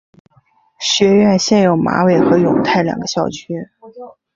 学院现有马尾和永泰两个校区。